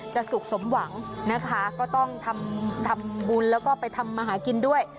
สุขสมหวังนะคะก็ต้องทำบุญแล้วก็ไปทำมาหากินด้วย